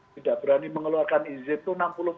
tidak berani mengeluarkan izin itu